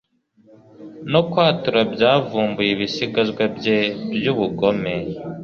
no kwatura byavumbuye ibisigazwa bye by'ubugome